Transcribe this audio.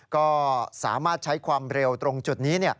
ก็สามารถใช้ความเร็วตรงจุดนี้